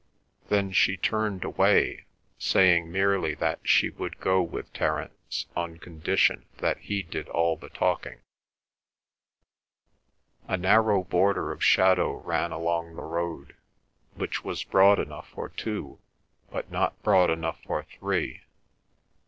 Then she turned away, saying merely that she would go with Terence, on condition that he did all the talking. A narrow border of shadow ran along the road, which was broad enough for two, but not broad enough for three.